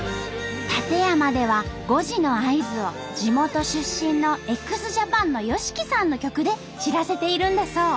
館山では５時の合図を地元出身のＸＪＡＰＡＮのＹＯＳＨＩＫＩさんの曲で知らせているんだそう。